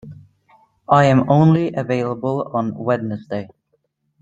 I am only available on Wednesday.